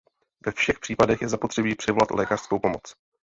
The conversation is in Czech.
Ve všech případech je zapotřebí přivolat lékařskou pomoc.